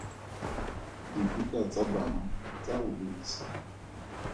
Dibuka tsa bana tsa go buisa.